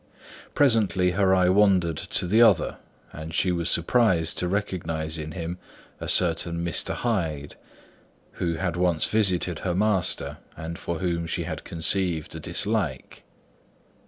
Presently her eye wandered to the other, and she was surprised to recognise in him a certain Mr. Hyde, who had once visited her master and for whom she had conceived a dislike.